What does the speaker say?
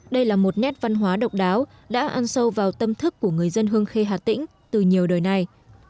đây là một nét văn hóa độc đáo đã ăn sâu vào tâm thức của người dân hương khê hà tĩnh từ nhiều đời này